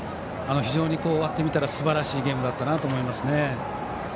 非常に終わってみたらすばらしいゲームだったなと思いますね。